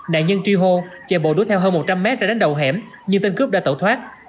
nạn nhân tri hô chạy bộ đuối theo hơn một trăm linh m ra đánh đầu hẻm nhưng tên cướp đã tẩu thoát